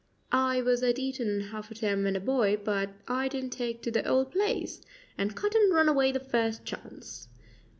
"I was at Eton half a term when a boy, but I didn't take to the old place, and cut and run away the first chance."